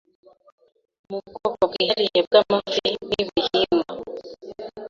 mu bwoko bwihariye bw’amafi n’ibihingwa